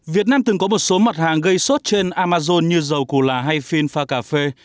việt nam từng có một số mặt hàng gây sốt trên amazon như dầu củ lạ hay phin pha cà phê